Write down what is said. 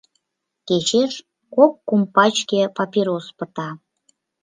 Кечеш кок-кум пачке папирос пыта.